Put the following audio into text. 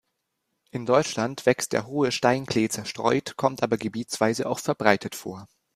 In Deutschland wächst der Hohe Steinklee zerstreut, kommt aber gebietsweise auch verbreitet vor.